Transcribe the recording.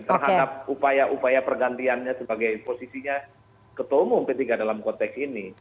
terhadap upaya upaya pergantiannya sebagai posisinya ketua umum p tiga dalam konteks ini